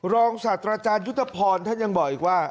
ศาสตราจารยุทธพรท่านยังบอกอีกว่า